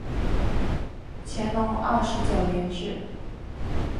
乾隆二十九年置。